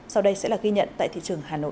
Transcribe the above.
sau đây sẽ là ghi nhận tại thị trường hà nội